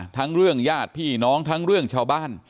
เรื่องญาติพี่น้องทั้งเรื่องชาวบ้าน